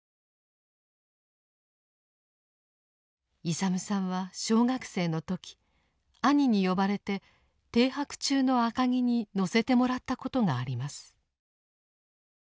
勇さんは小学生の時兄に呼ばれて停泊中の赤城に乗せてもらったことがあります。